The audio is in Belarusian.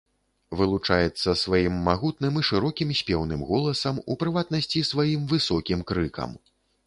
Вылучаецца сваім магутным і шырокім спеўным голасам, у прыватнасці сваім высокім крыкам.